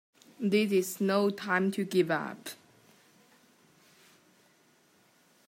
This is no time to give up!